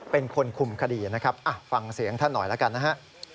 เป็นคนคุมคดีนะครับฟังเสียงท่านหน่อยแล้วกันนะฮะ